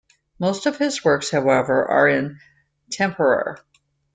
Most of his works, however, are in tempera.